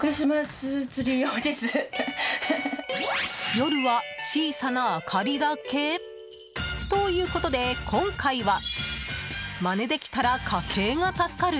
夜は小さな明かりだけ？ということで、今回はまねできたら家計が助かる？